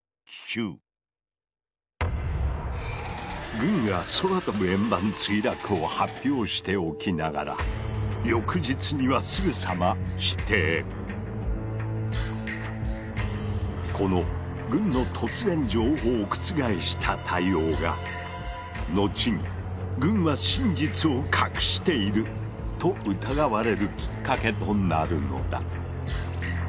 軍が「空飛ぶ円盤墜落」を発表しておきながらこの軍の突然情報を覆した対応が後に「軍は真実を隠している」と疑われるきっかけとなるのだ。